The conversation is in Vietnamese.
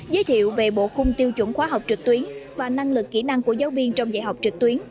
giới thiệu về bộ khung tiêu chuẩn khoa học trực tuyến và năng lực kỹ năng của giáo viên trong dạy học trực tuyến